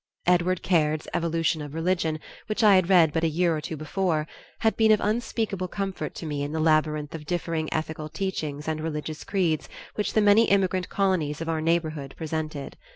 Edward Caird's "Evolution of Religion," which I had read but a year or two before, had been of unspeakable comfort to me in the labyrinth of differing ethical teachings and religious creeds which the many immigrant colonies of our neighborhood presented.